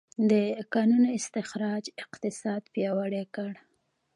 د کانونو استخراج اقتصاد پیاوړی کړ.